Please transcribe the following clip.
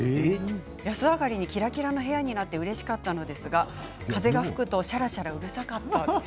安上がりにキラキラの部屋になってうれしかったのですが風が吹くと、シャラシャラうるさかった。